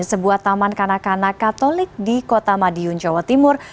sebuah taman kanak kanak katolik di kota madiun jawa timur